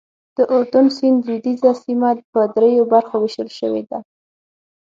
د اردن سیند لوېدیځه سیمه په دریو برخو ویشل شوې ده.